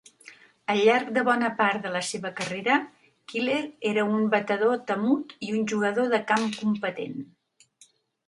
Al llarg de bona part de la seva carrera, Keller era un batedor temut i un jugador de camp competent.